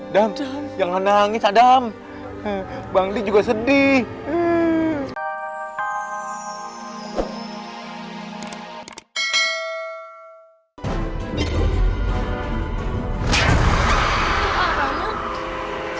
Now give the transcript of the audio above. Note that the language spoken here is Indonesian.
dan jangan nangis adam bangkit juga sedih